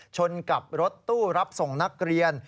ชนกับรถตู้รับส่งนักเรียน